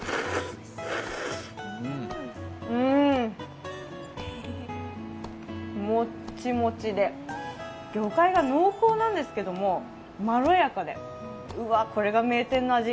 うーん、もっちもちで魚介が濃厚なんですけどもまろやかで、うわっ、これが名店の味。